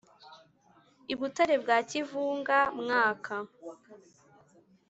i butare bwa kivunga-mwaka,